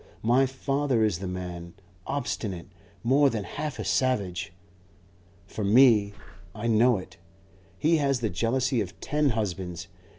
My father is the man, obstinate, more than half a savage. For me I know it he has the jealousy of ten husbands.